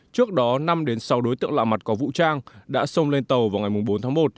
trước đó năm sáu đối tượng lạ mặt có vũ trang đã xông lên tàu vào ngày bốn tháng một